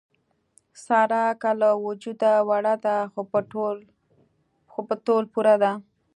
ساره که له وجوده وړه ده، خو په تول پوره ده.